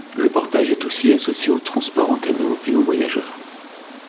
Le portage est aussi associé au transport en canot et aux voyageurs.